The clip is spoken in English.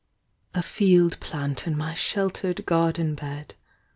A field plant in my sheltered garden bed.